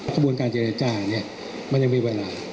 กระบวนการเจรจาเนี่ยมันยังมีเวลา